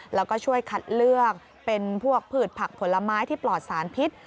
แล้วก็ช่วยคัดเลือกเป็นพวกผืดผักผลไม้ที่ปลอดสารพิษ